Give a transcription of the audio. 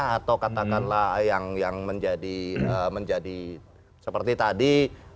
atau katakanlah yang menjadi seperti tadi